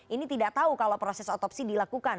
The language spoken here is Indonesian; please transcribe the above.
ini tidak tahu kalau proses otopsi dilakukan